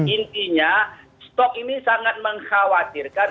intinya stok ini sangat mengkhawatirkan